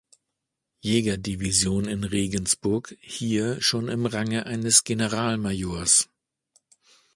Jäger-Division in Regensburg, hier schon im Range eines Generalmajors.